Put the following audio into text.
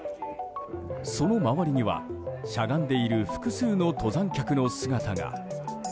その周りには、しゃがんでいる複数の登山客の姿が。